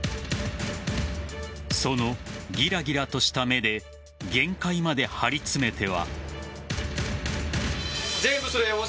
そのギラギラとした目で限界まで張り詰めては。